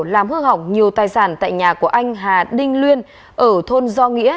làm hư hỏng nhiều tài sản tại nhà của anh hà đinh luônên ở thôn do nghĩa